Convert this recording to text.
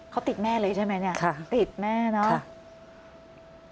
เขาติดแม่เลยใช่ไหมเนี่ยติดแม่เนาะ